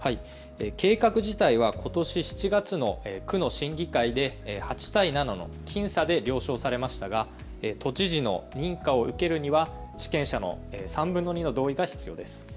計画自体はことし７月の区の審議会で８対７の僅差で了承されましたが都知事の認可を受けるには地権者の３分の２の同意が必要です。